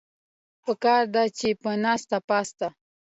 پکار ده چې پۀ ناسته پاسته